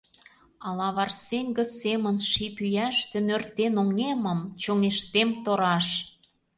Ала варсеҥге семын ший пӱяште Нӧртен оҥемым, чоҥештем тораш.